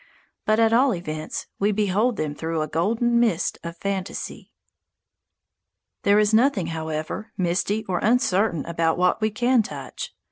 But, at all events, we behold them through a golden mist of fantasy. There is nothing, however, misty or uncertain about what we can touch.